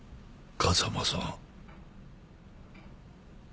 風間さん。